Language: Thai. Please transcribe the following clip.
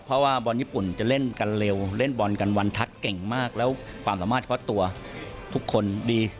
เพราะว่าบอลญี่ปุ่นจะเล่นกันเร็วเล่นบอลกันวันทัศน์เก่งมากแล้วความสามารถเฉพาะตัวทุกคนดี